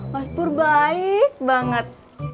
mas pur baik banget